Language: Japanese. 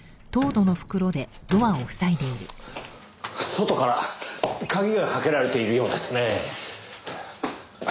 外から鍵がかけられているようですねぇ。